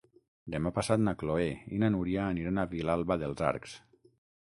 Demà passat na Chloé i na Núria aniran a Vilalba dels Arcs.